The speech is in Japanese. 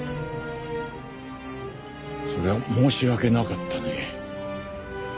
それは申し訳なかったね。